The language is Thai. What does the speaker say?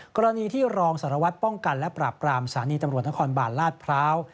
กรณีที่รองสารวัตรป้องกันและปราบปรามสถานีตำรวจนครบาลลาดพร้าว